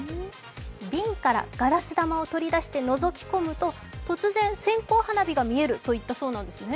瓶からガラス玉を取り出してのぞき込むと突然、線香花火が見えると言ったそうなんですね。